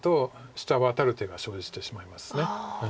下ワタる手が生じてしまいます。